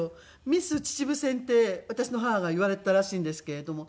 ミス秩父線って私の母が言われていたらしいんですけれども。